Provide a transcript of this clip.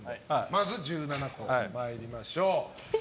まず１７個を参りましょう。